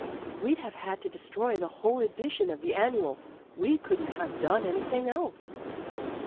We'd have had to de stroy the whole edition of the Annual. We couldn't have done anything else."